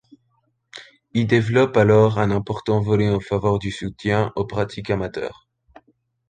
Il développe alors un important volet en faveur du soutien aux pratiques amateurs.